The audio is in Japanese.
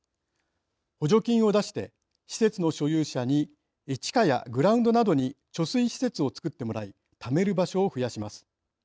補助金を出して施設の所有者に地下やグラウンドなどに貯水施設を造ってもらいためる場所を増やします。